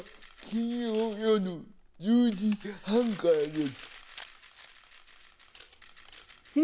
金曜夜１０時半です。